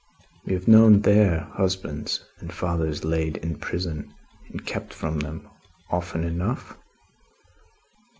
We have known their husbands and fathers laid in prison and kept from them, often enough?